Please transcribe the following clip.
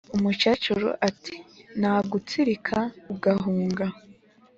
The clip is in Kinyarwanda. Umukecuru ati"nagutsirika ugahunga